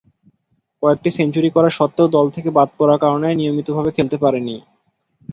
কয়েকটি সেঞ্চুরি করা স্বত্ত্বেও দল থেকে বাদ পড়ার কারণে নিয়মিতভাবে খেলতে পারেননি।